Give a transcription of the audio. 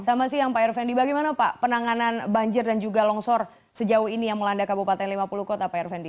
selamat siang pak irvendi bagaimana pak penanganan banjir dan juga longsor sejauh ini yang melanda kabupaten lima puluh kota pak irvendi